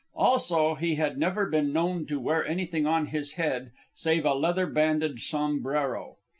Also, he had never been known to wear anything on his head save a leather banded sombrero.